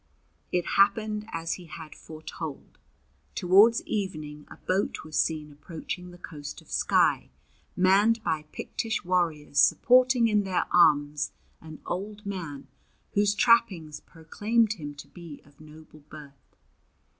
It happened as he had foretold. Towards evening a boat was seen approaching the coast of Skye, manned by Pictish warriors supporting in their arms an old man whose trappings proclaimed him to be of noble birth.